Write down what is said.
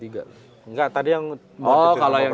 tiga enggak tadi yang